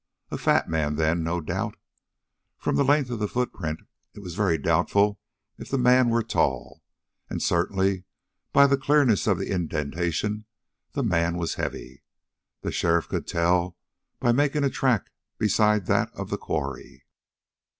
A fat man, then, no doubt. From the length of the footprint it was very doubtful if the man were tall, and certainly by the clearness of the indentation, the man was heavy. The sheriff could tell by making a track beside that of the quarry.